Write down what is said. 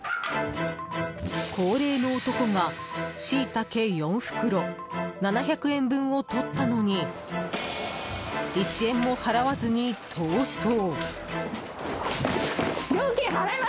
高齢の男がシイタケ４袋７００円分を取ったのに１円も払わずに逃走！